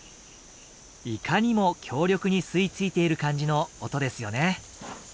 いかにも強力に吸い付いている感じの音ですよね。